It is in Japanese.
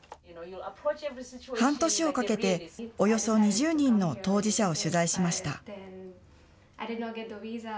半年をかけて、およそ２０人の当事者を取材しました。